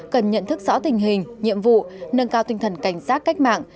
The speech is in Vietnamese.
cần nhận thức rõ tình hình nhiệm vụ nâng cao tinh thần cảnh giác cách mạng